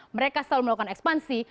mereka selalu melakukan ekspansi